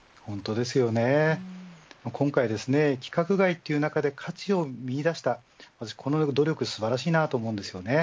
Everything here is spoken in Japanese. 今回、規格外という中で価値を見いだしたこの努力は素晴らしいと思います。